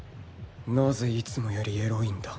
なぜいつもよりエロいんだ？